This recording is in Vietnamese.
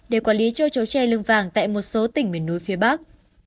để quản lý châu chấu tre lương vàng tại một số tỉnh miền núi phía bắc